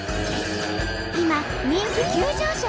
今人気急上昇！